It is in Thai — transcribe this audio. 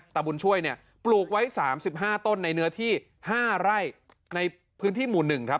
บุญช่วยเนี่ยปลูกไว้๓๕ต้นในเนื้อที่๕ไร่ในพื้นที่หมู่๑ครับ